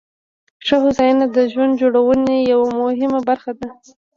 ښه هوساینه د ژوند جوړونې یوه مهمه برخه ده.